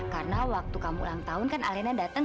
karena waktu kamu ulang tahun kan alena datang